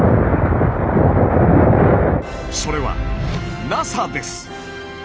それはＮＡＳＡです！